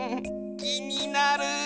きになる！